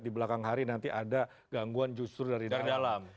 di belakang hari nanti ada gangguan justru dari dalam